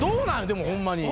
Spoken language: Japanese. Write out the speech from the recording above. でもホンマに。